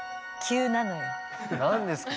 何ですか？